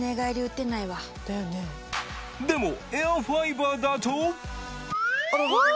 でもエアファイバーだとわぁ！